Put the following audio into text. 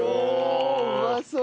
うまそう！